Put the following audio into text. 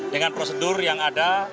dengan prosedur yang ada